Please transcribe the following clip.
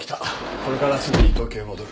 これからすぐに東京へ戻る。